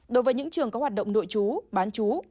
đối với những trường có hoạt động nội chú bán chú